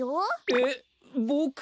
えっボク？